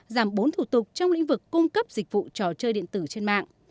giảm bốn thủ tục trong lĩnh vực cung cấp dịch vụ trò chơi điện tử trên mạng